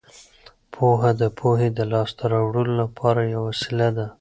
پوهه د پوهې د لاسته راوړلو لپاره یوه وسیله ده.